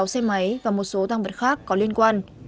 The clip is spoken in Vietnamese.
sáu xe máy và một số tăng vật khác có liên quan